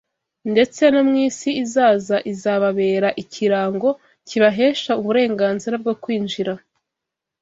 ndetse no mu isi izaza izababera ikirango kibahesha uburenganzira bwo kwinjira